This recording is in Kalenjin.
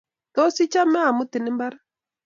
Tos, ichame amutin mbar